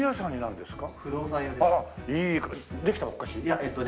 できたばっかり？